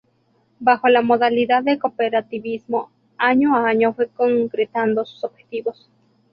Bajo la modalidad del cooperativismo, año a año fue concretando sus objetivos.